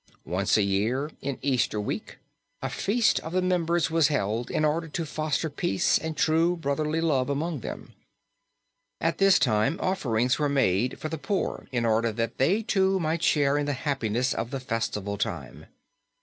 Once a year, in Easter Week, a feast of the members was held in order to foster peace and true brotherly love among them. At this time offerings were made for the poor in order that they too might share in the happiness of the festival time.